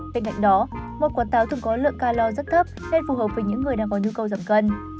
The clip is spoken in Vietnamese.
bên cạnh đó một quả táo thường có lượng ca lo rất thấp nên phù hợp với những người đang có nhu cầu giảm cân